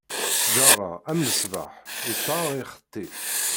Ttjaṛa am lmesbeḥ, ittaɣ, ixetti.